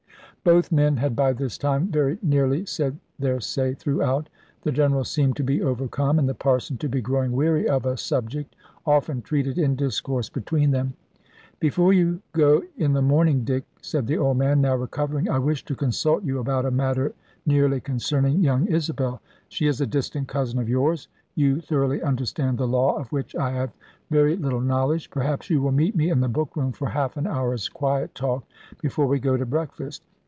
Both men had by this time very nearly said their say throughout. The General seemed to be overcome, and the Parson to be growing weary of a subject often treated in discourse between them. "Before you go in the morning, Dick," said the old man, now recovering, "I wish to consult you about a matter nearly concerning young Isabel. She is a distant cousin of yours. You thoroughly understand the law, of which I have very little knowledge. Perhaps you will meet me in the book room, for half an hour's quiet talk, before we go to breakfast."